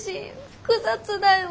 複雑だよ。